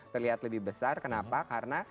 terlihat lebih besar kenapa karena